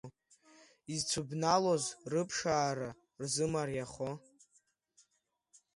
Изцәыбналоз рыԥшаара рзымариахо.